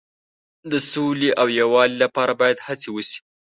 د سولې او یووالي لپاره باید هڅې وشي.